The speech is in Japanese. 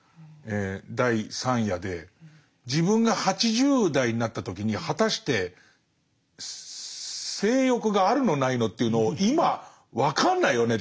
第３夜で自分が８０代になった時に果たして性欲があるのないのっていうのを今分かんないよねって。